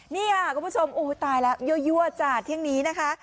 นี่ค่ะคุณผู้ชมตายแล้วยั่วจ้ะเที่ยงนี้นะคะ